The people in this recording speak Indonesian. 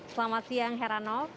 selamat siang herano